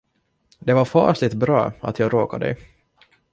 Det var fasligt bra, att jag råkade dig.